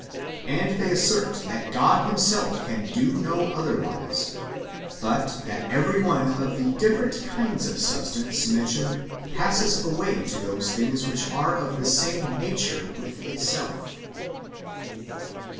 And they assert that God Himself can do no otherwise, but that every one of the [different kinds of substance] men tioned passes away to those things which are of the same nature [with itself].